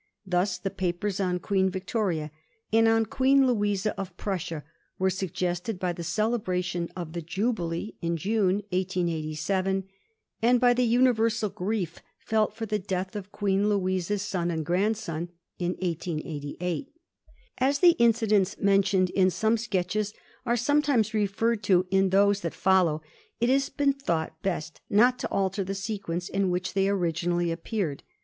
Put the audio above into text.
Thus the papers on Queen Victoria and on Queen Louisa of Prussia were suggested by the celebration of the Jubilee in June 1887, and by the universal grief felt for the death of Queen Louisa's son and grandson in 1888. As the incidents mentioned in some sketches are sometimes referred to in those that follow, it has been thought best not to alter the sequence in which they originally appeared.